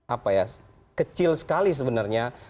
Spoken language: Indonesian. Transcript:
apa ya kecil sekali sebenarnya